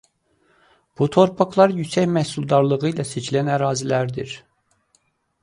Bu torpaqlar yüksək məhsuldarlığı ilə seçilən ərazilərdir.